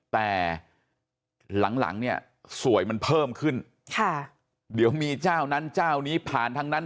แต่หลังหลังเนี่ยสวยมันเพิ่มขึ้นค่ะเดี๋ยวมีเจ้านั้นเจ้านี้ผ่านทั้งนั้น